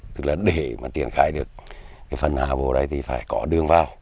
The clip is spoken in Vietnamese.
tức là để mà triển khai được phần nào vô đây thì phải có đường vào